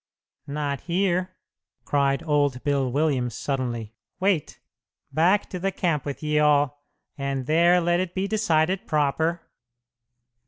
"Not here!" cried old Bill Williams, suddenly. "Wait! Back to the camp with ye all, and there let it be decided proper!"